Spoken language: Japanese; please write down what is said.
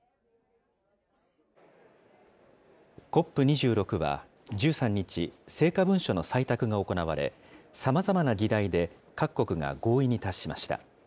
ＣＯＰ２６は１３日、成果文書の採択が行われ、さまざまな議題で各国が合意に達しました。